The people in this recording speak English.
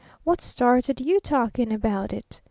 What started you talking about it?